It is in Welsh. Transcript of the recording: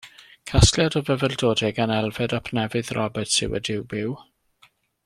Casgliad o fyfyrdodau gan Elfed ap Nefydd Roberts yw Y Duw Byw.